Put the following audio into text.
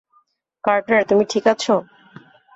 Carter, তুমি ঠিক আছো?